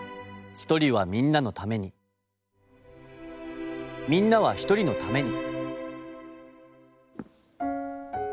「一人はみんなのためにみんなは一人のために」。